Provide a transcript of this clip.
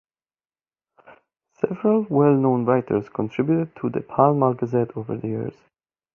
Several well-known writers contributed to "The Pall Mall Gazette" over the years.